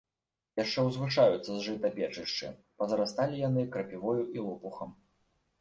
Яшчэ ўзвышаюцца з жыта печышчы, пазарасталі яны крапівою і лопухам.